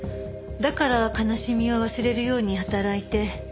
だから悲しみを忘れるように働いて。